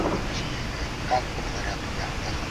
دلته به کور وي